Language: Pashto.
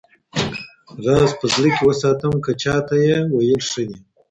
راز په زړه کي وساتم که چاته یې ویل ښه دي